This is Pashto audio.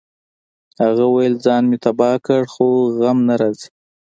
هغه ویل ځان مې تباه کړ خو غم نه راځي